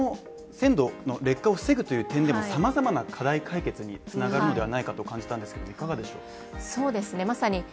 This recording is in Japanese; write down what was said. また坊垣さん在庫の鮮度の劣化を防ぐという点でも様々な課題解決に繋がるのではないかと感じたんですけどいかがでしょう。